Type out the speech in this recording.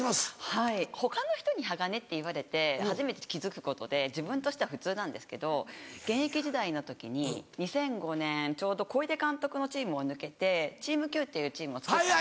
はい他の人に鋼って言われて初めて気付くことで自分としては普通なんですけど。現役時代の時に２００５年ちょうど小出監督のチームを抜けてチームＱっていうチームをつくった。